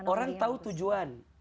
orang tau tujuan